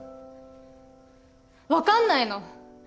わかんないの？